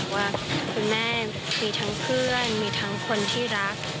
ว่าคุณแม่มีทั้งเพื่อนมีทั้งคนที่รัก